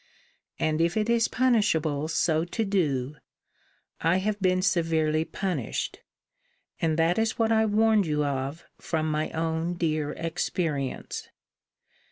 And if it is punishable so to do, I have been severely punished; and that is what I warned you of from my own dear experience.